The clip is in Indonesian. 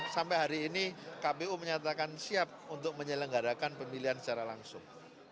sampai hari ini kpu menyatakan siap untuk menyelenggarakan pemilihan secara langsung